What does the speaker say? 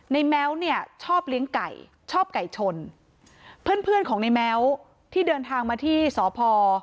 แม้วเนี่ยชอบเลี้ยงไก่ชอบไก่ชนเพื่อนเพื่อนของในแม้วที่เดินทางมาที่สพ